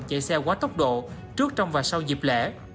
chạy xe quá tốc độ trước trong và sau dịp lễ